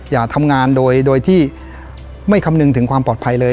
อย่าทำงานโดยที่ไม่คำนึงถึงความปลอดภัยเลย